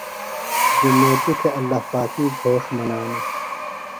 جُمیتیۡ تھےۡ اللہ پاکی گھوݜٹ منانہ۔